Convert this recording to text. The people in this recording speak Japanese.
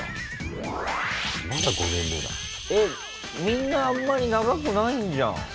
えっみんなあんまり長くないんじゃん。